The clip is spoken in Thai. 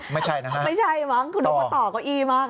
ไม่ใช่นะฮะไม่ใช่มั้งคุณต้องต่อก้อยี่มาก